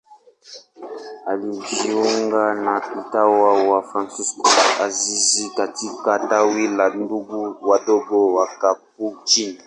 Alijiunga na utawa wa Fransisko wa Asizi katika tawi la Ndugu Wadogo Wakapuchini.